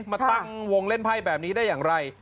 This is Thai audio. มาตั้งวงเล่นไพ่แบบนี้ได้อย่างไร